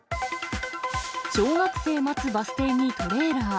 小学生待つバス停にトレーラー。